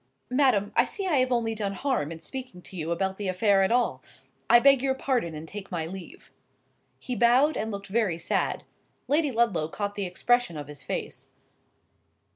"Madam, I see I have only done harm in speaking to you about the affair at all. I beg your pardon and take my leave." He bowed, and looked very sad. Lady Ludlow caught the expression of his face.